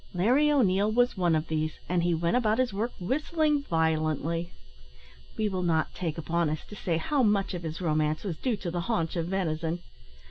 Larry O'Neil was one of these, and he went about his work whistling violently. We will not take upon us to say how much of his romance was due to the haunch of venison.